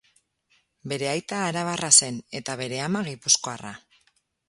Bere aita arabarra zen eta bere ama gipuzkoarra.